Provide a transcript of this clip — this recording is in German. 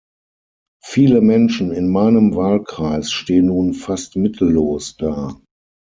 Viele Menschen in meinem Wahlkreis stehen nun fast mittellos da.